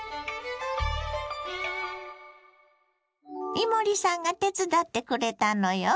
伊守さんが手伝ってくれたのよ。